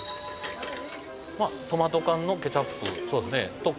まあトマト缶のケチャップそうですねと